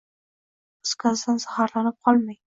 Is gazidan zaharlanib qolmang